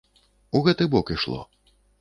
У гэты бок ішло.